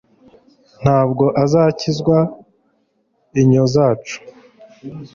Ntabwo azakizwa inyo zacu